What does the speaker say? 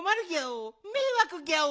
めいわくギャオ。